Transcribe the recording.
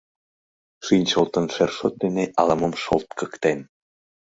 Шинчылтын шершот дене ала-мом шолткыктен.